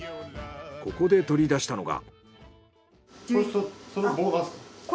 ここで取り出したのが。